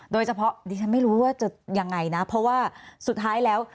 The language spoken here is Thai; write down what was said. โดยเฉพาะดิฉันไม่รู้ว่าจะยังไงนะเพราะว่าสุดท้ายแล้ว